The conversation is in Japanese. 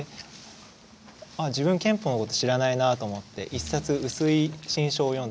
ああ自分憲法のことを知らないなと思って１冊薄い新書を読んでみたんです。